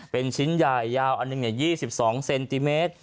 เป็นชิ้นใหญ่ยาวอันหนึ่ง๒๒เซนติเมตร